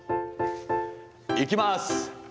いきます。